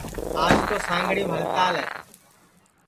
آج توسانگڑیم ہڑتال